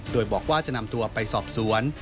โดยบอกว่าจะนำตัวไปสอบสวน